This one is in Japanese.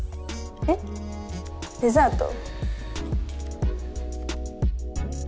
えっデザート？